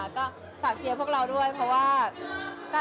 ก็ฝากเชียร์พวกเราด้วยเพราะว่า